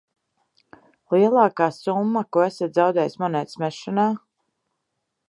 Lielākā summa, ko esat zaudējis monētas mešanā?